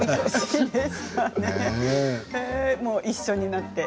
一緒になって。